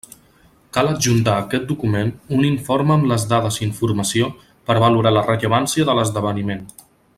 Cal adjuntar a aquest document un informe amb les dades i informació per valorar la rellevància de l'esdeveniment.